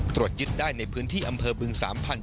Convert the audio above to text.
ตรวจยึดได้ในพื้นที่อำเภอบึงสามพันธุ์